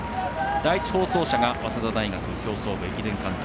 第１放送車が早稲田大学競走部駅伝監督